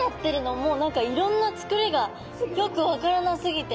もう何かいろんなつくりがよく分からなすぎて。